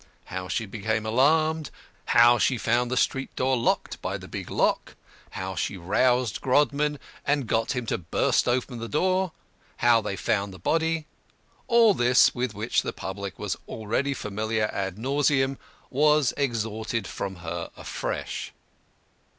How she became alarmed how she found the street door locked by the big lock how she roused Grodman, and got him to burst open the door how they found the body all this with which the public was already familiar ad nauseam was extorted from her afresh.